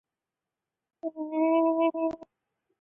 滑板撞到行人或骑自行车的人后会使之受伤甚至死亡。